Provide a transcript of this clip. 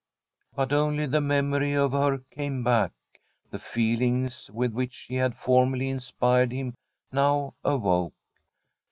But only the memory of her came back: the feelings with which she had formerly inspired him now awoke.